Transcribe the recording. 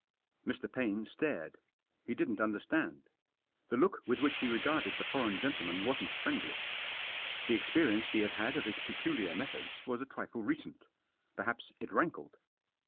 Mr. Paine stared. He didn't understand. The look with which he regarded the foreign gentleman wasn't friendly. The experience he had had of his peculiar methods was a trifle recent. Perhaps it rankled.